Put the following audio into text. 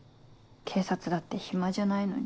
警察だって暇じゃないのに。